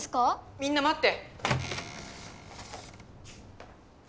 みんなまって。